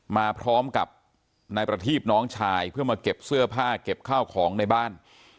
มาพร้อมกับนายประทีบน้องชายเพื่อมาเก็บเสื้อผ้าเก็บข้าวของในบ้าน